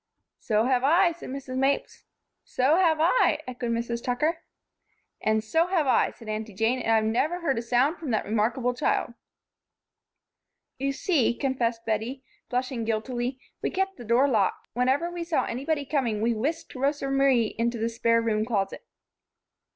"So have I," said Mrs. Mapes. "So have I," echoed Mrs. Tucker. "And so have I," added Aunty Jane, "and I've never heard a sound from that remarkable child." "You see," confessed Bettie, flushing guiltily, "we kept the door locked. Whenever we saw anybody coming we whisked Rosa Marie into the spare room closet."